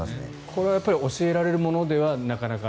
これは教えられるものではなかなか。